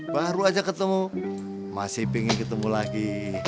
baru aja ketemu masih ingin ketemu lagi